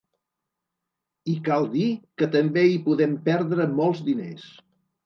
I cal dir que també hi podem perdre molts diners.